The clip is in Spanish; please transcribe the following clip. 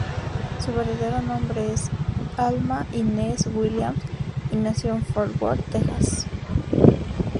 Su verdadero nombre era Alma Inez Williams, y nació en Fort Worth, Texas.